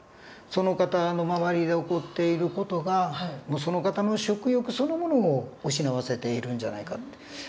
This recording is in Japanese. その方の周りで起こっている事がその方の食欲そのものを失わせているんじゃないかって。